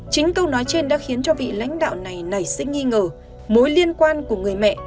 chính câu nói trên đã khiến cho vị lãnh đạo này nảy sinh nghi ngờ mối liên quan của người mẹ